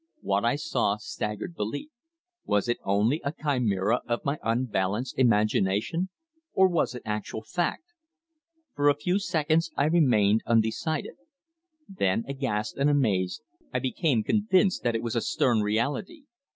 What I saw staggered belief. Was it only a chimera of my unbalanced imagination or was it actual fact? For a few seconds I remained undecided. Then, aghast and amazed, I became convinced that it was a stern reality.